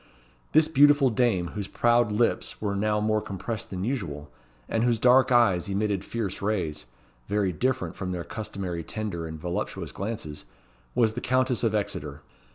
This beautiful dame, whose proud lips were now more compressed than usual, and whose dark eyes emitted fierce rays very different from their customary tender and voluptuous glances was the Countess of Exeter.